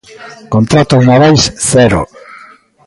Contratos navais, ¡cero!